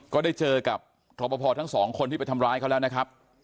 ก็ได้เจอกับครอบครอบครอบครอบพอทั้งสองคนที่ไปทำร้ายเขาแล้วนะครับ